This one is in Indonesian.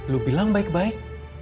lu bilang baik baik